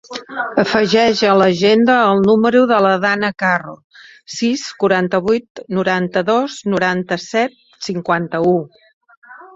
Afegeix a l'agenda el número de la Danna Carro: sis, quaranta-vuit, noranta-dos, noranta-set, cinquanta-u.